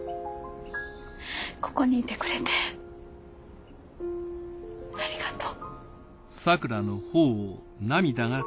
ここにいてくれてありがとう。